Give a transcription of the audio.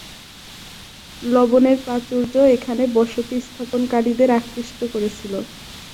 লবণের প্রাচুর্য এখানে বসতি স্থাপনকারীদের আকৃষ্ট করেছিল।